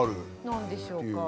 何でしょうか？